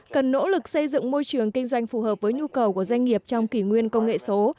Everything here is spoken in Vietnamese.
cần nỗ lực xây dựng môi trường kinh doanh phù hợp với nhu cầu của doanh nghiệp trong kỷ nguyên công nghệ số